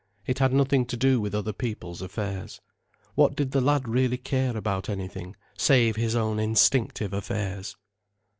It had nothing to do with other people's affairs. What did the lad really care about anything, save his own instinctive affairs?